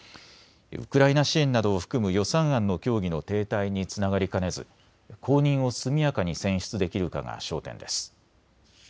ウクライナ支援などを含む予算案の協議の停滞につながりかねず後任を速やかに選出できるかが焦点です。